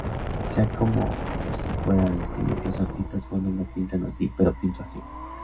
Sea como si pueda decir, 'los artistas Buenos no pintan así, pero pinto así.